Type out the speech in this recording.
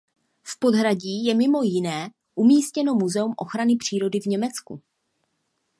V podhradí je mimo jiné umístěno Muzeum ochrany přírody v Německu.